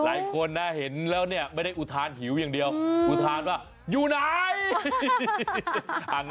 หลายคนนะเห็นแล้วเนี่ยไม่ได้อุทานหิวอย่างเดียวอุทานว่าอยู่ไหน